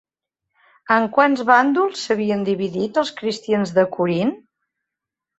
En quants bàndols s'havien dividit els cristians de Corint?